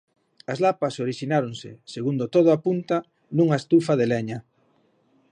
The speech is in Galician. As lapas orixináronse, segundo todo apunta, nunha estufa de leña.